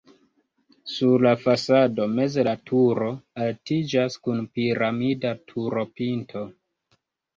Sur la fasado meze la turo altiĝas kun piramida turopinto.